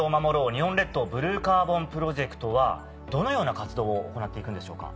日本列島ブルーカーボンプロジェクト」はどのような活動を行っていくのでしょうか？